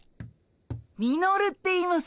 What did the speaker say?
ミノルっていいます。